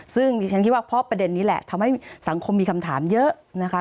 ซึ่งดิฉันคิดว่าเพราะประเด็นนี้แหละทำให้สังคมมีคำถามเยอะนะคะ